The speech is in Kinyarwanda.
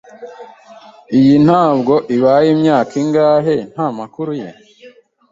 Iyi ntabwo ibaye imyaka ingahe nta makuru ye.